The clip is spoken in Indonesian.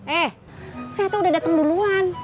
eh saya tuh udah datang duluan